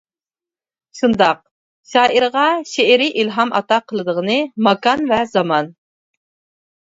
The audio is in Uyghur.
شۇنداق، شائىرغا شېئىرىي ئىلھام ئاتا قىلىدىغىنى ماكان ۋە زامان.